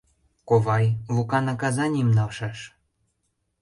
— Ковай, Лука наказанийым налшаш.